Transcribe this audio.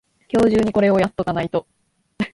今日中にこれをやっとかないと